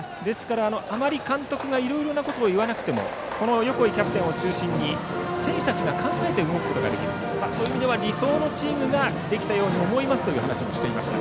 あまり監督がいろいろなことを言わなくてもこの横井キャプテンを中心に選手たちが考えて動くことができるそういう意味では理想のチームができたように思いますという話もしていました。